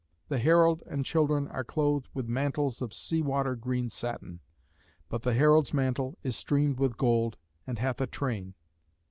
The herald and children are clothed with mantles of sea water green satin; but the herald's mantle is streamed with gold, and hath a train.